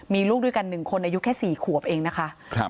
มีลูกด้วยกันหนึ่งคนอายุแค่สี่ขวบเองนะคะครับ